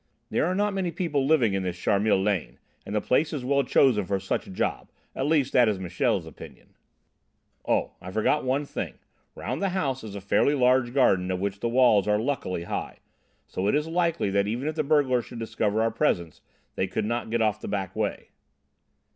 There are not many people living in this Charmilles Lane, and the place is well chosen for such a job, at least that is Michel's opinion. "Oh, I forgot one thing, round the house is a fairly large garden of which the walls are luckily high. So it is likely that even if the burglars should discover our presence they could not get off the back way."